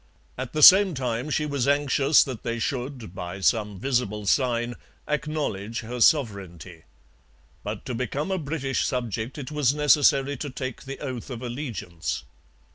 At the same time she was anxious that they should, by some visible sign, acknowledge her sovereignty. But to become a British subject it was necessary to take the oath of allegiance.